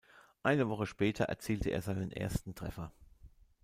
Eine Woche später erzielte er seinen ersten Treffer.